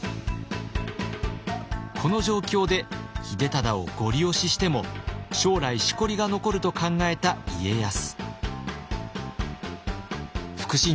この状況で秀忠をゴリ押ししても将来しこりが残ると考えた家康。